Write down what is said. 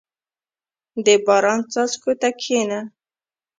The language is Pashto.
• د باران څاڅکو ته کښېنه.